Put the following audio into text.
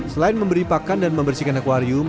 selain memberi pakan dan membersihkan akwarium